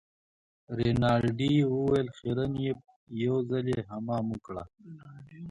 رینالډي وویل خیرن يې یو ځلي حمام وکړه.